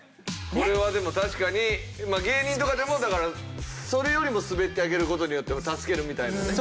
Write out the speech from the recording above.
これはでも確かに芸人とかでもそれよりもスベってあげる事によって助けるみたいなね。